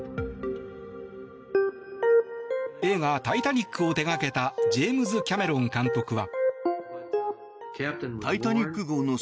映画「タイタニック」を手掛けたジェームズ・キャメロン監督は。